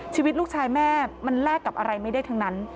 ชีวิตลูกชายแม่มันแลกกับอะไรไม่ได้ทั้งนั้น